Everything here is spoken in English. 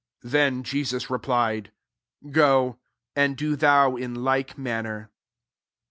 [Then J Jesus replied, '^ Go, and do thou in like manner."